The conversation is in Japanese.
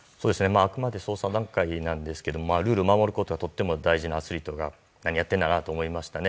あくまで捜査段階なんですがルールを守ることがとっても大事なアスリートが何やっているんだと思いましたね。